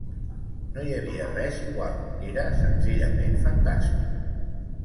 No hi havia res igual; era senzillament fantàstic.